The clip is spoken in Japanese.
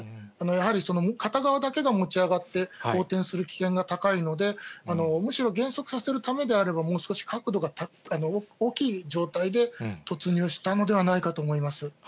やはり片側だけが持ち上がって横転する危険が高いので、むしろ減速のためであれば、もう少し角度が大きい状態で突入したのではないかと思います。